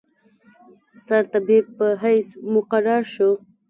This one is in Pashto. سرطبیب په حیث مقرر شو.